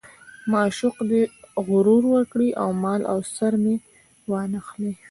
معشوق دې غرور وکړي او مال او سر مې وانه خلي.